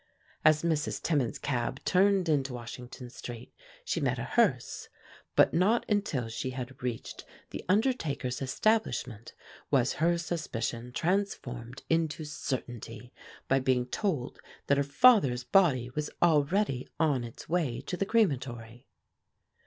As Mrs. Timmins's cab turned into Washington Street she met a hearse, but not until she had reached the undertaker's establishment was her suspicion transformed into certainty by being told that her father's body was already on its way to the crematory.